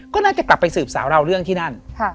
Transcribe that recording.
ก็น่าจะกลับไปสืบสาวเราเรื่องที่นั่น